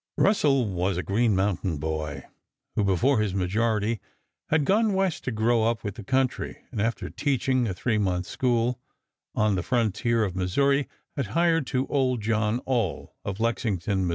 Russell was a Green Mountain boy, who before his majority had gone West to grow up with the country; and after teaching a three months' school on the frontier of Missouri had hired to old John Aull of Lexington, Mo.